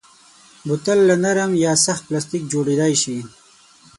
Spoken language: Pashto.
بوتل له نرم یا سخت پلاستیک جوړېدای شي.